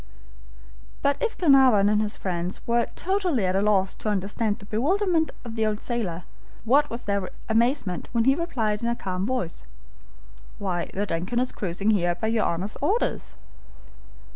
But if Glenarvan and his friends were totally at a loss to understand the bewilderment of the old sailor, what was their amazement when he replied in a calm voice: "The DUNCAN is cruising here by your Honor's orders."